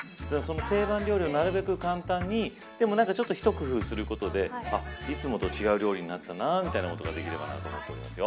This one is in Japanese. その定番料理をなるべく簡単にでもちょっと一工夫することでいつもと違う料理になったなということができると思います。